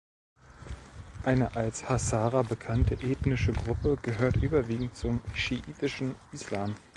Eine als Hazara bekannte ethnische Gruppe gehört überwiegend zum schiitischen Islam.